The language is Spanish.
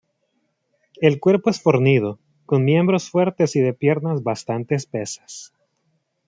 El cuerpo es fornido, con miembros fuertes y de piernas bastante espesas.